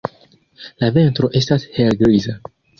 La ventro estas helgriza.